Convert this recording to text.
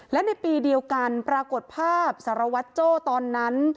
และในปีเดียวกันปรากฏภาพสารวัตรโจ้ตอนนั้น